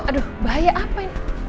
aduh bahaya apa ini